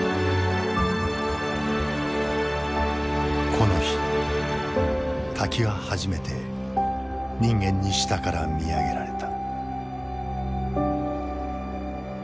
この日滝は初めて人間に下から見上げられた。